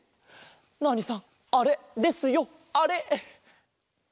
ナーニさんあれですよあれ！